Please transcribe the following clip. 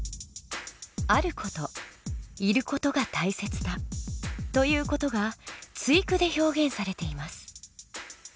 「あることいること」が大切だという事が対句で表現されています。